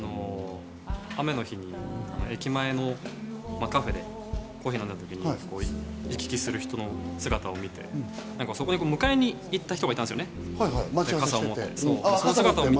雨の日、駅前のカフェでコーヒー飲んでる時に行き来する人たちの姿を見て、そこに迎えに行った人がいたんですよね、傘を持って。